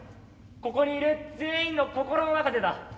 ここにいる全員の心の中でだ。